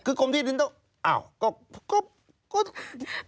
คือกรมที่ดินต้อง